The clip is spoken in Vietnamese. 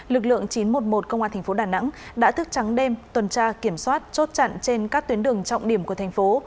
lực lượng chín trăm một mươi một công an thành phố đà nẵng đã thức trắng đêm tuần tra kiểm soát chốt chặn trên các tuyến đường trọng điểm của thành phố